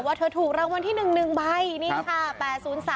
เธอถูกรางวัลที่๑๑ใบนี่ค่ะ๘๐๓